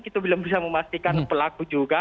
kita belum bisa memastikan pelaku juga